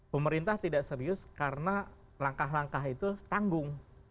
pemerintah tidak serius karena langkah langkah itu tanggung